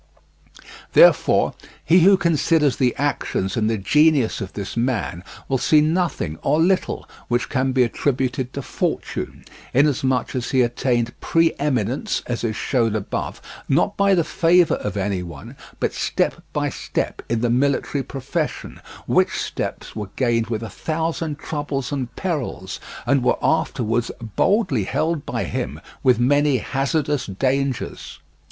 Therefore, he who considers the actions and the genius of this man will see nothing, or little, which can be attributed to fortune, inasmuch as he attained pre eminence, as is shown above, not by the favour of any one, but step by step in the military profession, which steps were gained with a thousand troubles and perils, and were afterwards boldly held by him with many hazardous dangers.